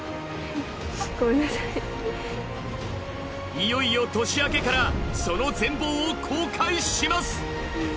いよいよ年明けからその全貌を公開します。